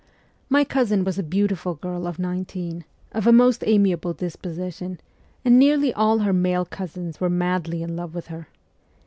My cousin was a beautiful girl of nine teen, of a most amiable disposition, and nearly all her male cousins were madly in love with her.